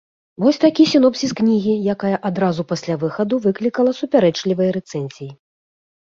Вось такі сінопсіс кнігі, якая адразу пасля выхаду выклікала супярэчлівыя рэцэнзіі.